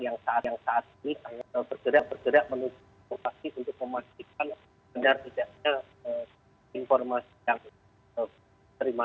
yang saat ini bergerak gerak menutupi untuk memastikan benar benarnya informasi yang terima